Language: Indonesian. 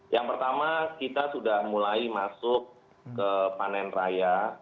yang pertama kita sudah mulai masuk ke panen raya